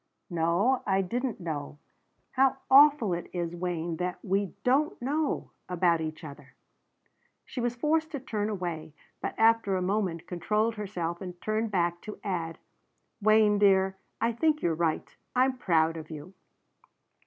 "No, I didn't know. How awful it is, Wayne, that we don't know about each other." She was forced to turn away; but after a moment controlled herself and turned back to add: "Wayne dear, I think you're right. I'm proud of you."